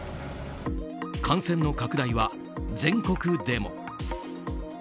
感染の拡大は全国でも。